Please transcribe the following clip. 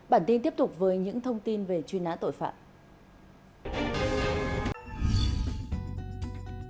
bản tin tiếp tục với những thông tin về chuyên án tội phạm